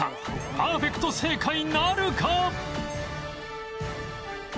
パーフェクト正解なるか！？